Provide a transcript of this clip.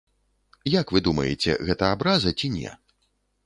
Як вы думаеце, гэта абраза, ці не?